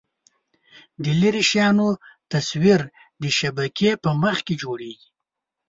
د لیرې شیانو تصویر د شبکیې په مخ کې جوړېږي.